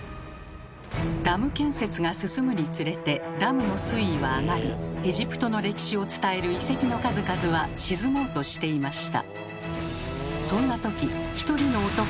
ダム建設が進むにつれてダムの水位は上がりエジプトの歴史を伝える遺跡の数々は沈もうとしていました。